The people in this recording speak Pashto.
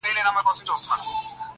• دواړي زامي یې له یخه رېږدېدلې -